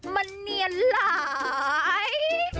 มันเนียนหลาย